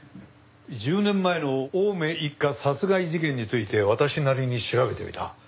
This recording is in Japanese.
１０年前の青梅一家殺害事件について私なりに調べてみた。